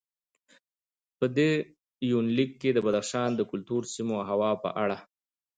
په دې یونلیک کې د بدخشان د کلتور، سیمو او هوا په اړه